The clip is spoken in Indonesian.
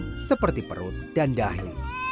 dan ditumbuh seperti perut dan dahi